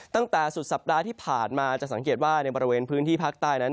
ตั้งแต่สุดสัปดาห์ที่ผ่านมาจะสังเกตว่าในบริเวณพื้นที่ภาคใต้นั้น